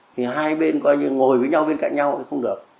thì hai bên coi như ngồi với nhau bên cạnh nhau thì không được